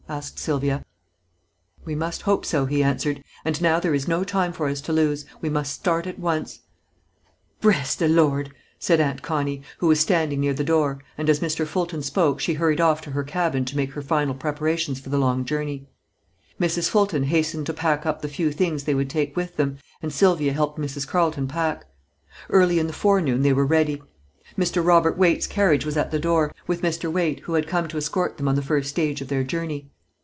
asked Sylvia. "We must hope so," he answered; "and now there is no time for us to lose. We must start at once." "Bres' de Lord!" said Aunt Connie, who was standing near the door, and as Mr. Fulton spoke she hurried off to her cabin to make her final preparations for the long journey. Mrs. Fulton hastened to pack up the few things they would take with them, and Sylvia helped Mrs. Carleton pack. Early in the fore noon they were ready. Mr. Robert Waite's carriage was at the door, with Mr. Waite, who had come to escort them on the first stage of their journey.